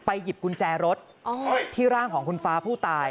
หยิบกุญแจรถที่ร่างของคุณฟ้าผู้ตาย